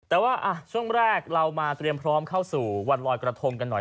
แต่ว่าช่วงแรกเรามาเตรียมพร้อมเข้าสู่วันลอยกระทงกันหน่อย